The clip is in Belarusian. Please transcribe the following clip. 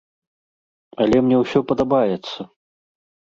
Але мне ўсё падабаецца.